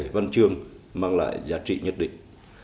văn chương mang lại giá trị nhất định